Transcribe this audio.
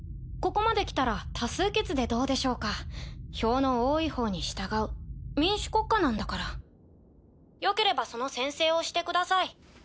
ここまで来たら多数決でどうでしょうか票の多い方に従う民主国家なんだからよければその宣誓をしてください